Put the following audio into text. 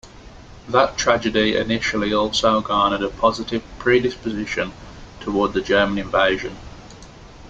That tragedy initially also garnered a positive predisposition toward the German invasion.